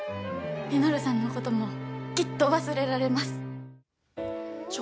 稔さんのこともきっと忘れられます。